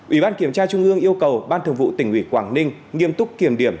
ủy ban kiểm tra trung ương yêu cầu ban thường vụ tỉnh ủy quảng ninh nghiêm túc kiểm điểm